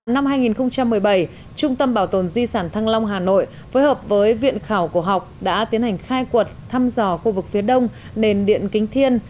năm hai nghìn một mươi bảy trung tâm bảo tồn di sản thăng long hà nội phối hợp với viện khảo cổ học đã tiến hành khai quật thăm dò khu vực phía đông nền điện kính thiên